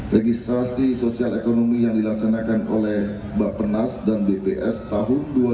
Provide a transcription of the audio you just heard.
registrasi sosial ekonomi yang dilaksanakan oleh bapenas dan bps tahun